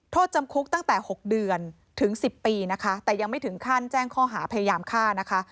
โทษจำคุกตั้งแต่๖เดือนถึง๑๐ปีนะคะแต่ยังไม่ถึงขั้นแจ้งข้อหาพยายามฆ่านะคะ